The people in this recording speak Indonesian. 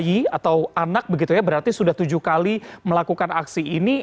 bayi atau anak begitu ya berarti sudah tujuh kali melakukan aksi ini